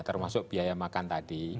termasuk biaya makan tadi